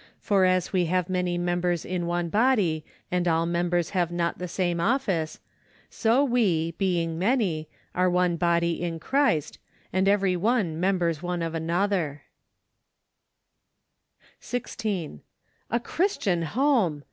" For as we have many members in one body, and all members have not the same office : So we, being many, are one body in Christ , and every one members one of another 16. A Christian home